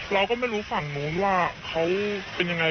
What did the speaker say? เราก็ไม่รู้ฝั่งนู้นว่าเขาเป็นยังไง